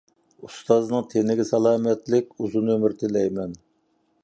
ئۇستازنىڭ تېنىگە سالامەتلىك، ئۇزۇن ئۆمۈر تىلەيمەن.